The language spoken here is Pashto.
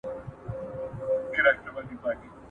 حاده درملنه د ناروغ لپاره ده.